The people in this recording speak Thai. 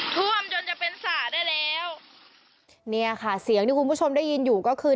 ท่วมจนจะเป็นสระได้แล้วเนี่ยค่ะเสียงที่คุณผู้ชมได้ยินอยู่ก็คือ